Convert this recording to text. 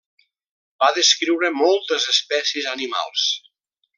Va descriure moltes espècies animals.